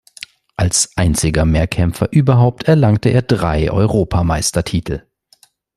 Als einziger Mehrkämpfer überhaupt erlangte er drei Europameistertitel.